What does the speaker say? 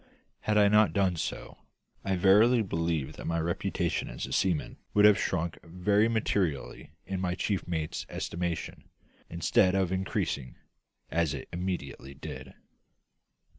Had I not done so, I verily believe that my reputation as a seaman would have shrunk very materially in my chief mate's estimation, instead of increasing, as it immediately did.